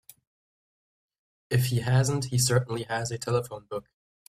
If he hasn't he certainly has a telephone book.